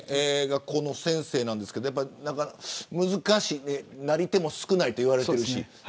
学校の先生なんですけど難しく、なり手も少ないと言われている。